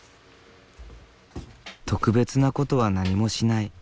特別なことは何もしない。